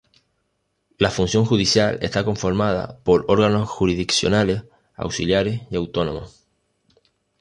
La Función Judicial está conformada por órganos jurisdiccionales, auxiliares y autónomos.